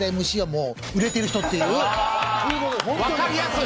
わかりやすい！